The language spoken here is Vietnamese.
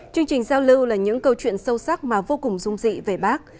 chương trình giao lưu là những câu chuyện sâu sắc mà vô cùng dung dị về bác